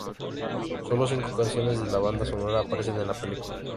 Sólo cinco canciones de la banda sonora aparecen en la película.